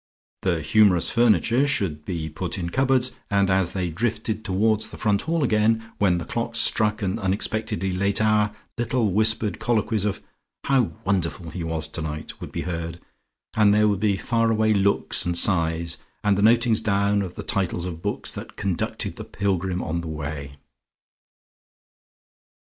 The humorous furniture should be put in cupboards, and as they drifted towards the front hall again, when the clocks struck an unexpectedly late hour, little whispered colloquies of "How wonderful he was tonight" would be heard, and there would be faraway looks and sighs, and the notings down of the titles of books that conducted the pilgrim on the Way.